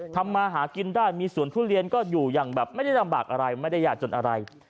ทำมาหากินได้มีสวนทุเรียนก็อยู่อย่างแบบไม่ได้ลำบากอะไรไม่ได้ยากจนอะไร